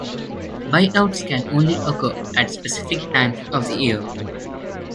Buyouts can only occur at specific times of the year.